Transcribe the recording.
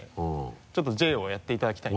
ちょっと「Ｊ」をやっていただきたいな。